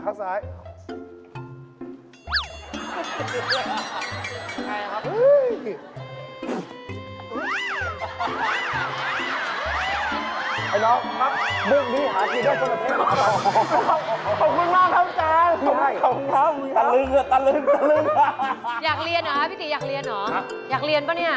อยากเรียนเหรอพี่ตีอยากเรียนเหรออยากเรียนป่ะเนี่ย